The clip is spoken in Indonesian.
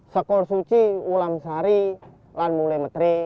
shokor suci ulamsari dan mulia metri